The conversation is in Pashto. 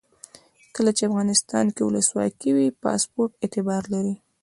کله چې افغانستان کې ولسواکي وي پاسپورټ اعتبار لري.